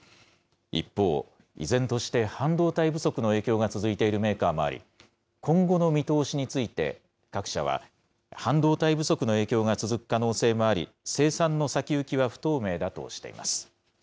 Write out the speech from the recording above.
一方、依然として半導体不足の影響が続いているメーカーもあり今後の見通しについて各社は半導体不足の影響が続く可能性もあり生産の先行きは不透明だとしています。